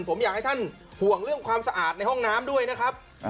ผมอยากให้ท่านห่วงเรื่องความสะอาดในห้องน้ำด้วยนะครับ